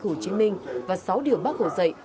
hồ chí minh và sáu điều bác hổ dạy